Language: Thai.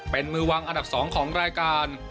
เป็นมือวางอันดับ๒ของรายการ